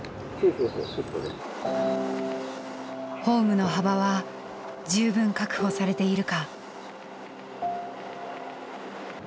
ホームの幅は十分確保されているか。